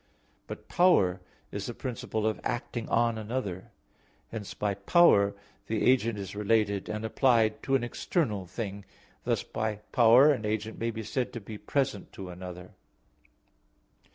But power is the principle of acting on another; hence by power the agent is related and applied to an external thing; thus by power an agent may be said to be present to another.